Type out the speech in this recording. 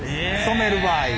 染める場合。